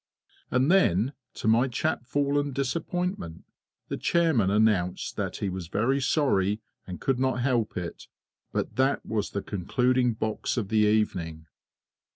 And then, to my chapfallen disappointment, the Chairman announced that he was very sorry and could not help it, but that was the concluding box of the evening.